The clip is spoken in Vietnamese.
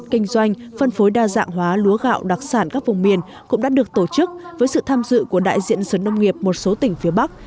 kinh doanh phân phối đa dạng hóa lúa gạo đặc sản các vùng miền cũng đã được tổ chức với sự tham dự của đại diện sở nông nghiệp một số tỉnh phía bắc